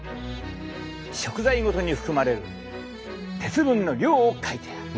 食材ごとに含まれる鉄分の量を書いてある。